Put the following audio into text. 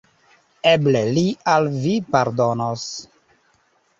Eble li al vi pardonos.